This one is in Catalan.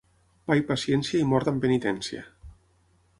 Pa i paciència i mort amb penitència.